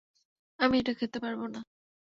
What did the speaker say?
আমি এটা খেতে পারবোনা।